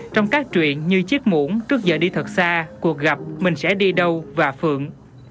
trong các truyện như chiếc muỗng trước giờ đi thật xa cuộc gặp mình sẽ đi đâu và phượng